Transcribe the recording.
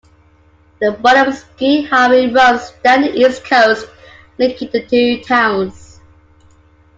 The Boluminski Highway runs down the east coast, linking the two towns.